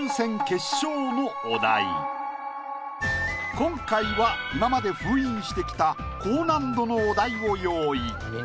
今回は今まで封印してきた高難度のお題を用意。